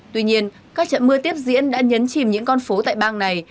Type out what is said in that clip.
tuy nhiên các trận mưa tiếp diễn đã nhấn chìm những con phố tại bang này